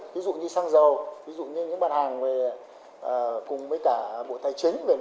ví dụ như xăng dầu ví dụ như những bản hàng cùng với cả bộ thái chính